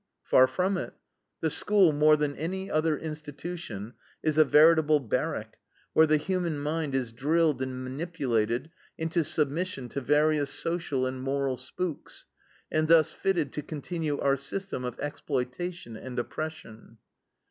Far from it. The school, more than any other institution, is a veritable barrack, where the human mind is drilled and manipulated into submission to various social and moral spooks, and thus fitted to continue our system of exploitation and oppression.